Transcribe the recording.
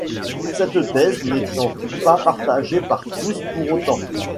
Cette thèse n'étant pas partagée par tous pour autant.